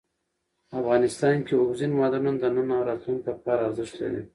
افغانستان کې اوبزین معدنونه د نن او راتلونکي لپاره ارزښت لري.